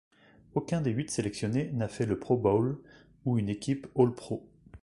Aucun des huit sélectionnés n'a fait le Pro Bowl ou une équipe All-Pro.